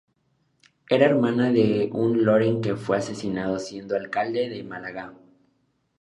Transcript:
Era hermana de un Loring que fue asesinado siendo alcalde de Málaga.